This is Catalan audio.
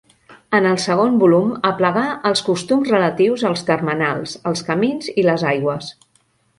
En el segon volum aplegà els costums relatius als termenals, els camins i les aigües.